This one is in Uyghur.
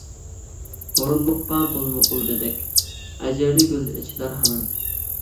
ھۇرۇنلۇققا بولما قول، دېدەك، ئەجىردە گۈل ئېچىلار ھامان.